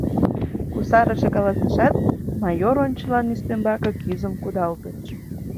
— кусарыше каласышат, майор ончылан ӱстембаке кӱзым кудалтыш.